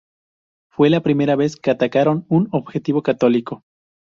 Fue la primera vez que atacaron un objetivo católico.